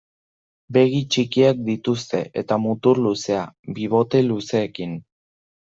Begi txikiak dituzte eta mutur luzea, bibote luzeekin.